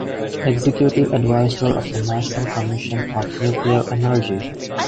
Executive Advisor of the National Commission of Nuclear Energy.